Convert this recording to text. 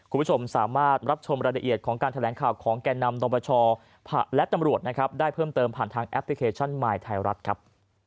คุณผู้ชมสามารถรับชมรายละเอียดของการแถลงข่าวของแก่นำนปชและตำรวจนะครับได้เพิ่มเติมผ่านทางแอปพลิเคชันมายไทยรัฐครับ